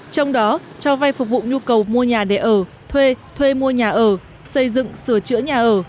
trong đó cho vay phục vụ nhu cầu mua nhà để ở thuê thuê mua nhà ở xây dựng sửa chữa nhà ở